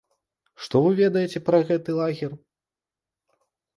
Што вы ведаеце пра гэты лагер?